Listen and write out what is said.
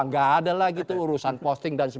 enggak ada lagi itu urusan posting dan lain lain